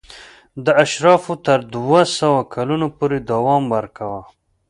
دا اشرافو تر دوه سوه کلونو پورې دوام ورکاوه.